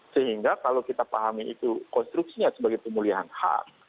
sehingga kalau kita pahami itu konstruksinya sebagai pemulihan hak